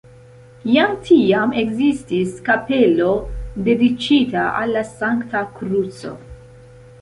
Jam tiam ekzistis kapelo dediĉita al la Sankta Kruco.